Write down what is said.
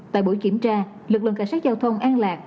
tại buổi kiểm tra lực lượng cảnh sát giao thông an lạc